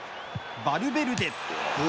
バルベルデ。